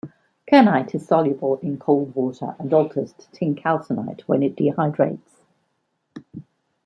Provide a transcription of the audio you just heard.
Kernite is soluble in cold water and alters to tincalconite when it dehydrates.